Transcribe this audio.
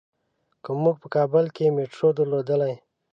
که مونږ په کابل کې مېټرو درلودلای.